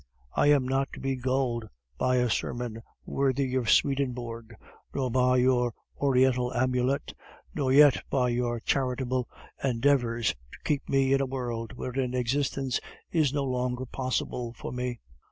I am not to be gulled by a sermon worthy of Swedenborg, nor by your Oriental amulet, nor yet by your charitable endeavors to keep me in a world wherein existence is no longer possible for me....